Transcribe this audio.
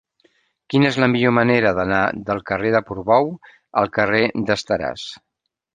Quina és la millor manera d'anar del carrer de Portbou al carrer d'Esteràs?